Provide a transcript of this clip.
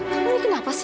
kamu ini kenapa sih